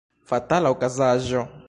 Fatala okazaĵo!